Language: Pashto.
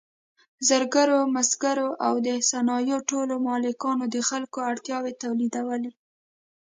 زرګرو، مسګرو او د صنایعو ټولو مالکانو د خلکو اړتیاوې تولیدولې.